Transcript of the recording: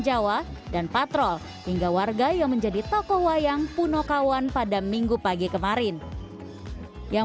jawa dan patrol hingga warga yang menjadi tokoh wayang punokawan pada minggu pagi kemarin yang